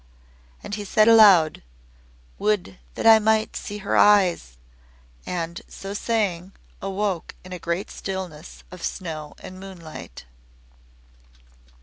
And he said aloud. "Would that I might see her eyes!" and so saying awoke in a great stillness of snow and moonlight.